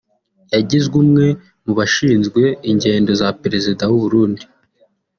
yagizwe umwe mu bashinzwe ingendo za Perezida w’Uburundi